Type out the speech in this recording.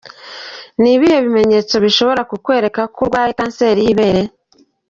Ni ibihe bimenyetso bishobora kukwereka ko urwaye kanseri y’ibere?.